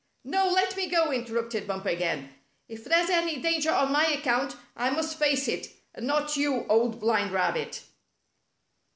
"No, let me go!" interrupted Bumper again. "If there's any danger on my account, I must face it, and not you. Old Blind Rabbit."